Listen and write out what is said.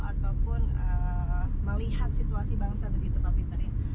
ataupun melihat situasi bangsa begitu pak peter ya